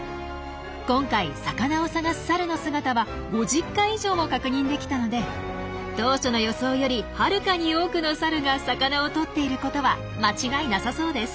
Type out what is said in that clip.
今回魚を探すサルの姿は５０回以上も確認できたので当初の予想よりはるかに多くのサルが魚をとっていることは間違いなさそうです。